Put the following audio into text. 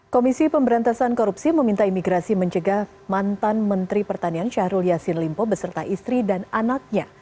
komisi pemberantasan korupsi meminta imigrasi mencegah mantan menteri pertanian syahrul yassin limpo beserta istri dan anaknya